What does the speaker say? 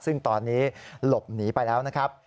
ซึ่งตอนนี้หลบหนีไปแล้วนะครับ